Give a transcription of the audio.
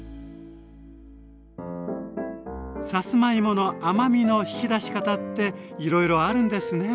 さつまいもの甘みの引き出し方っていろいろあるんですね。